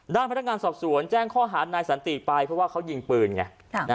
พนักงานสอบสวนแจ้งข้อหานายสันติไปเพราะว่าเขายิงปืนไง